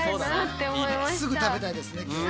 すぐ食べたいですね。